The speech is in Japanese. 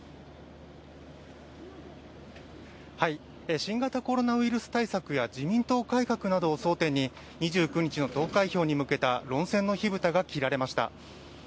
新型コロナウイルス対策や自民党改革などを争点に、２９日のとう開票に向けた論戦の火蓋がきられました。